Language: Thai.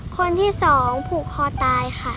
คนที่สองผูกคอตายค่ะ